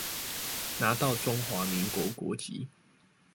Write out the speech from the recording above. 拿到中華民國國籍